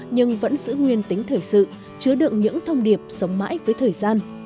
nhưng vẫn giữ nguyên tính thời sự chứa đựng những thông điệp sống mãi với thời gian